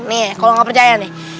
nih kalau nggak percaya nih